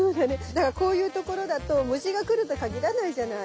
だからこういう所だと虫が来ると限らないじゃない。